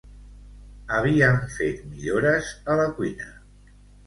Havien fet millores a la cuina.